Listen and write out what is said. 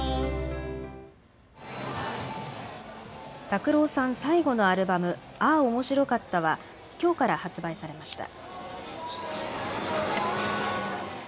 拓郎さん、最後のアルバムａｈ−面白かったはきょうから発売されました。